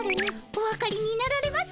おわかりになられますか？